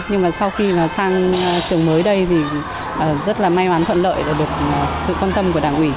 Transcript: nhưng mà sau khi sang trường mới đây thì rất là may mắn thuận lợi và được sự quan tâm của đảng ủy